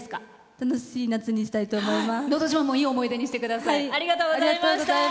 楽しい夏にしたいと思います。